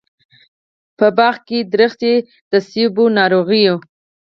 په بڼ کې ونې د مڼو، ناروغې